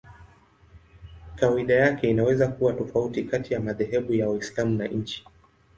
Kawaida yake inaweza kuwa tofauti kati ya madhehebu ya Waislamu na nchi.